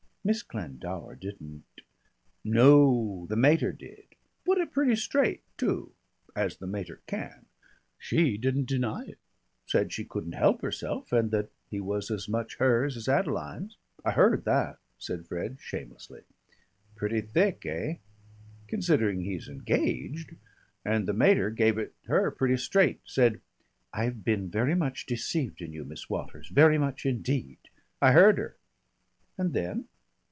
"Miss Glendower didn't ?" "No, the mater did. Put it pretty straight too as the mater can.... She didn't deny it. Said she couldn't help herself, and that he was as much hers as Adeline's. I heard that," said Fred shamelessly. "Pretty thick, eh? considering he's engaged. And the mater gave it her pretty straight. Said, 'I've been very much deceived in you, Miss Waters very much indeed.' I heard her...." "And then?"